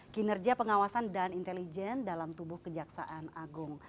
kinerja pengawasan dan intelijen dalam tubuh kejaksaan agung